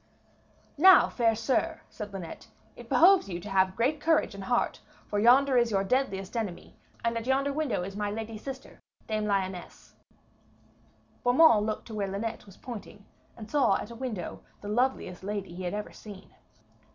'Now, fair sir,' said Linet, 'it behoves you to have great courage and heart, for yonder is your deadliest enemy, and at yonder window is my lady sister, Dame Lyones.' Beaumains looked to where Linet was pointing, and saw at a window the loveliest lady he had ever seen.